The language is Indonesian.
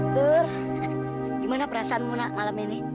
tur gimana perasaanmu nak malam ini